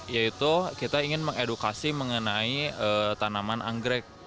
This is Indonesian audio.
yaitu kita ingin mengedukasi mengenai tanaman anggrek